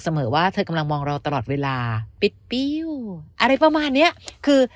เสมอว่าเธอกำลังมองเราตลอดเวลาปิดปิ้วอะไรประมาณเนี้ยคือ